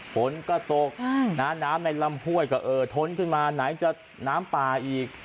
ฝนก็ตกน้ำในลำห้วยก็เออท้นขึ้นมาไหนจะน้ำป่าอีก